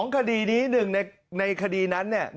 ๒คดีนี้๑ในคดีนั้นเนี่ย